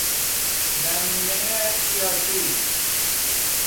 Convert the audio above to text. زمینهی سیاسی